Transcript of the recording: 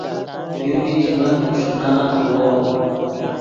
یو میش ون اوݰک نغن خوڑو